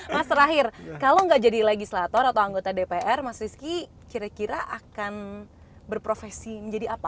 mas terakhir kalau nggak jadi legislator atau anggota dpr mas rizky kira kira akan berprofesi menjadi apa